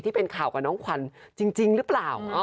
ที่เป็นข่าวกับน้องขวัญจริงหรือเปล่า